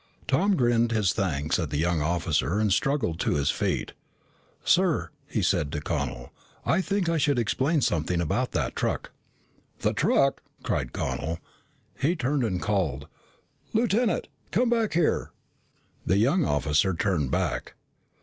Tom grinned his thanks at the young officer and struggled to his feet. "Sir," he said to Connel, "I think I should explain something about that truck." "The truck!" cried Connel. He turned and called, "Lieutenant, come back here." The young officer turned back.